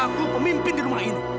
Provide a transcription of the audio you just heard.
aku pemimpin di rumah ini